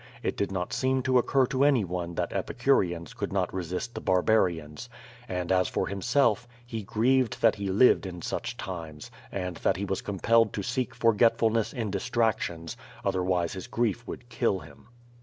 It did not seem to occur to any one that epicureans could not resist the bar barians. And as for himself, he grieved that he lived in such times, and that he was compelled to seek forgetfulness in distractions, otherwise his grief would kill him.